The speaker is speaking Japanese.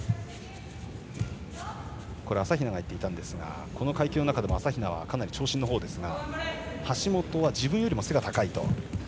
朝比奈が言ってたんですがこの階級の中でも朝比奈はかなり長身ですが橋本は自分よりも背が高いと。